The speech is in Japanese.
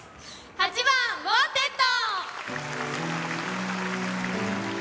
８番「ウォンテッド」。